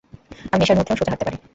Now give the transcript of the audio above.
আমি নেশার মধ্যেও সোজা হাঁটতে পারি।